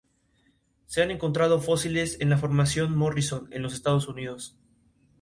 En la confusión, el desastre se extendió rápidamente a todo el palacio.